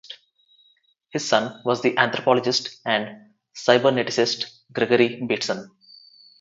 His son was the anthropologist and cyberneticist Gregory Bateson.